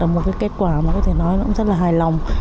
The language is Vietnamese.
và một kết quả mà có thể nói là rất là hài lòng